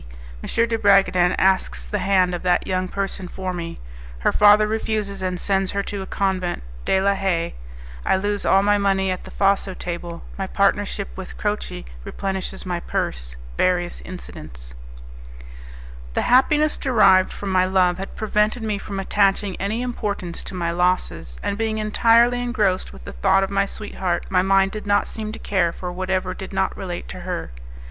M. de Bragadin Asks the Hand of That Young Person for Me Her Father Refuses, and Sends Her to a Convent De la Haye I Lose All my Money at the Faro table My Partnership with Croce Replenishes My Purse Various Incidents The happiness derived from my love had prevented me from attaching any importance to my losses, and being entirely engrossed with the thought of my sweetheart my mind did not seem to care for whatever did not relate to her.